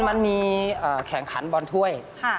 มันมีแข่งขันบอลถ้วย